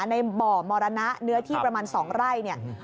ในบ่อมรณะเนื้อที่ประมาณ๒ไร่เนี่ย